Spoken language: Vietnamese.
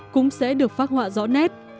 cũng sẽ được phát họa rõ nét